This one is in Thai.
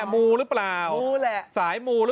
ไม่มูล